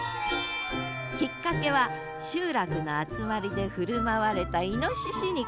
きっかけは集落の集まりで振る舞われたいのしし肉。